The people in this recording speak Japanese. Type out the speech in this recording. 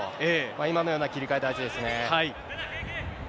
今のような切り替え大事ですね。